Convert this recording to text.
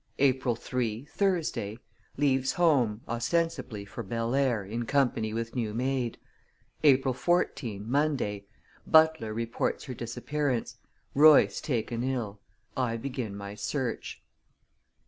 April 3, Thursday Leaves home, ostensibly for Belair, in company with new maid. April 14, Monday Butler reports her disappearance; Royce taken ill; I begin my search.